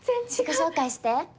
自己紹介して。